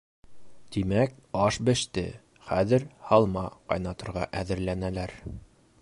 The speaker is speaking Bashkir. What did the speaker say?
Тимәк, аш беште, хәҙер һалма ҡайнатырға әҙерләнәләр.